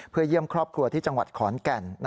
เพื่อเยี่ยมครอบครัวที่จังหวัดขอนแก่น